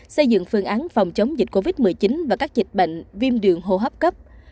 xây dựng phương án phòng chống dịch covid một mươi chín và các dịch bệnh viêm đường hô hấp cấp